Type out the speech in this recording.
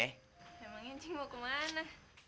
emangnya cing mau ke mana